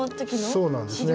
そうなんですね。